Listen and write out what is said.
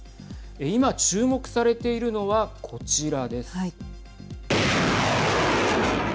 今、注目されているのはこちらです。